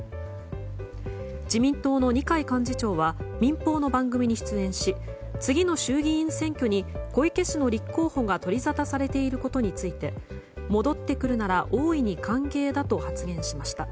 自民党の二階幹事長は民放の番組に出演し次の衆議院選挙に小池氏の立候補が取りざたされていることについて戻ってくるなら大いに歓迎だと発言しました。